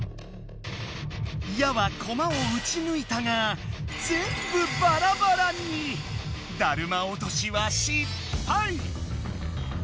矢はコマをうち抜いたが「だるま落とし」は失敗！